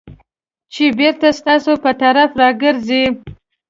چې بېرته ستاسو په طرف راګرځي .